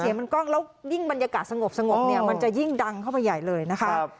มันกล้องแล้วยิ่งบรรยากาศสงบเนี่ยมันจะยิ่งดังเข้าไปใหญ่เลยนะคะ